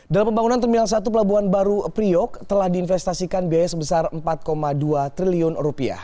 dalam pembangunan terminal satu pelabuhan baru priok telah diinvestasikan biaya sebesar rp empat dua triliun